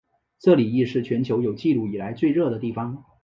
这里亦是全球有纪录以来最热的地方。